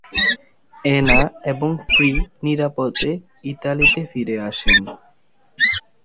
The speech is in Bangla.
অ্যানা এবং ফ্রি নিরাপদে ইতালিতে ফিরে আসেন।